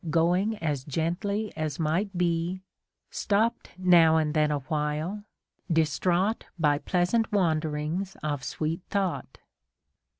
Going as gently as might be, Stopped now and then awhile, distraught By pleasant wanderings of sweet thought.